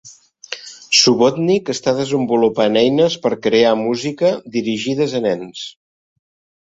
Subotnick està desenvolupant eines per crear música dirigides a nens.